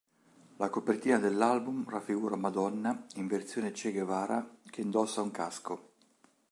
La copertina dell'album raffigura Madonna in versione Che Guevara che indossa un casco.